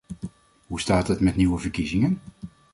Hoe staat het met nieuwe verkiezingen?